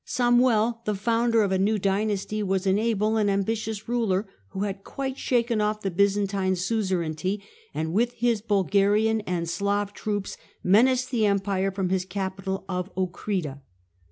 Samuel, the founder of a new dynasty, was an able and ambitious ruler, who had quite shaken off the Byzantine suzerainty, and with his Bulgarian and Slav troops menaced the Empire from his capital of Ochrida.